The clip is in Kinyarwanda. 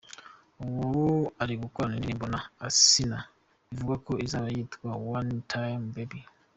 Ubu ari gukorana indirimbo na Asinah bivugwa ko izaba yitwa ‘One time baby’.